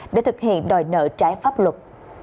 để thực hiện đòi nợ trái pháp luật